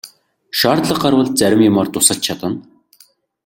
Шаардлага гарвал зарим юмаар тусалж чадна.